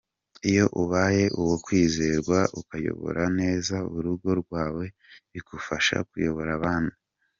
Iyo ubaye uwo kwizerwa ukayobora neza urugo rwawe bigufasha kuyobora abandi.